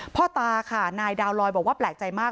พ่อตาค่ะนายดาวลอยบอกว่าแปลกใจมาก